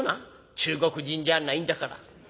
中国人じゃないんだから。